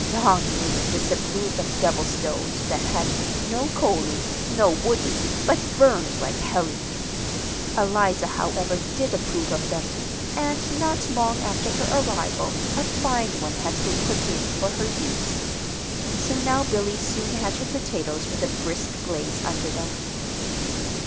Dong Ling disapproved of "devil stoves" that had "no coalee, no woodee, but burned like hellee." Eliza, however, did approve of them; and not long after her arrival, a fine one had been put in for her use. So now Billy soon had her potatoes with a brisk blaze under them.